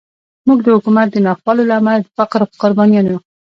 موږ د حکومت د ناخوالو له امله د فقر قربانیان یو.